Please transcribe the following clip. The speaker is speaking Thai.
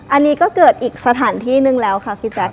อันนี้ก็เกิดอีกสถานที่นึงแล้วค่ะพี่แจ๊ค